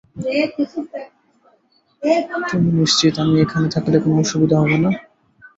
তুমি নিশ্চিত আমি এখানে থাকলে কোন অসুবিধা হবে না?